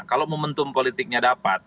kalau momentum politiknya dapat